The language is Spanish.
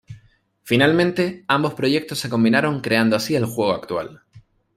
Finalmente, ambos proyectos se combinaron creando así el juego actual.